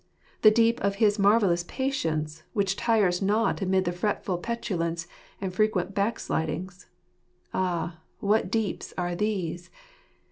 The deep of his marvellous patience, which tires not amid our fretful petulance and frequent backslidings, Ah, what deeps are these